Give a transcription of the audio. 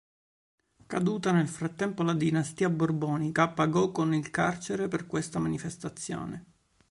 Caduta nel frattempo la dinastia borbonica, pagò con il carcere per questa manifestazione.